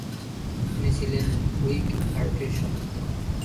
তিনি ছিলেন হুইগ পার্টির সমর্থক।